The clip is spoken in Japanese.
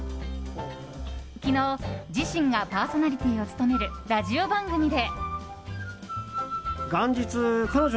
昨日、自身がパーソナリティーを務めるラジオ番組で。